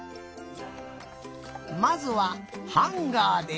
まずはハンガーで。